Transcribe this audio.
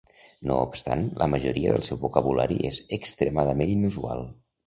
No obstant, la majoria del seu vocabulari és extremadament inusual.